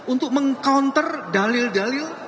untuk meng counter dalil dalil